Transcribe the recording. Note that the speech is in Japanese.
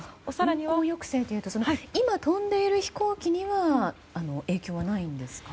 運行抑制というと今飛んでいる飛行機には影響がないんですか？